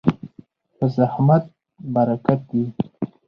په زحمت برکت وي.